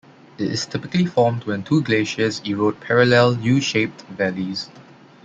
It is typically formed when two glaciers erode parallel U-shaped valleys.